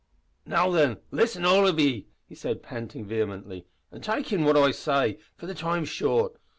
"Now, then, listen, all of ye," he said, panting vehemently, "an' take in what I say, for the time's short.